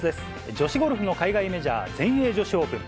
女子ゴルフの海外メジャー、全英女子オープン。